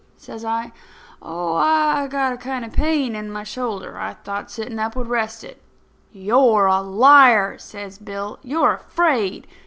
says I. "Oh, I got a kind of a pain in my shoulder. I thought sitting up would rest it." "You're a liar!" says Bill. "You're afraid.